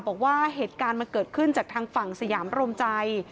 บอกว่าเหตุการณ์มันเกิดขึ้นจากทางฝั่งสยามรมใจ